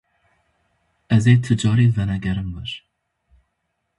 Ez ê ti carî venegerim wir.